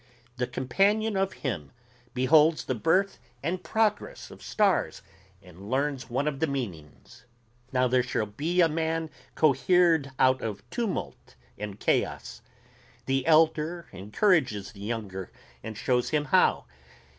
The companion of him beholds the birth and progress of stars and learns one of the meanings. Now there shall be a man cohered out of tumult and chaos ... the elder encourages the younger and shows him how